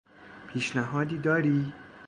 پیشنهادی داری؟